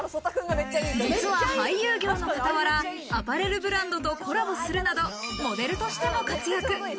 実は俳優業の傍ら、アパレルブランドとコラボするなどモデルとしても活躍。